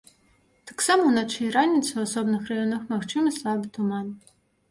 Таксама ўначы і раніцай у асобных раёнах магчымы слабы туман.